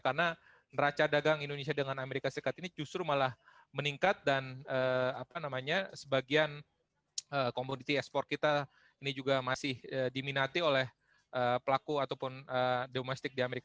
karena neraca dagang as dengan as ini justru malah meningkat dan sebagian komoditi ekspor kita ini juga masih diminati oleh pelaku ataupun domestik di as